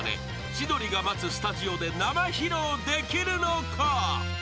［千鳥が待つスタジオで生披露できるのか？］